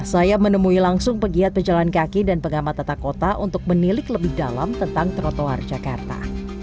saya menemui langsung pegiat pejalan kaki dan pengamat tata kota untuk menilik lebih dalam tentang trotoar jakarta